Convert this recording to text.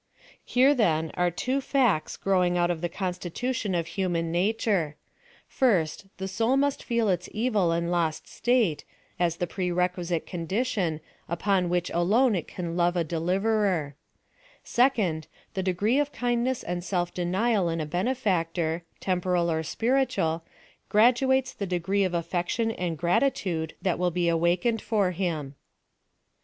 Here, then, are two facts growing out of the con stitution of human nature — First, the soul jiiusl feel its evil and lost estate, as the pre requisite con* dition, upon which alone it can lo\nr) a deliverer— PLAN OF SALVAl laN. I(}3 Second, the degree of kindness and self denial in a benefactor, temporal or spiritual, graduates the de gree of affection and gratitude that will be awaken^ ed for him.